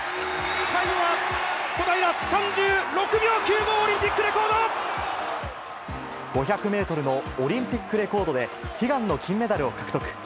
タイムは小平３６秒９５、５００メートルのオリンピックレコードで、悲願の金メダルを獲得。